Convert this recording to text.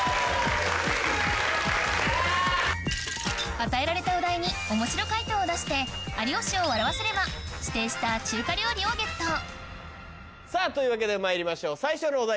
与えられたお題におもしろ回答を出して有吉を笑わせれば指定した中華料理をゲットというわけでまいりましょう最初のお題